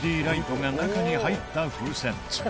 ＬＥＤライトが中に入った風船。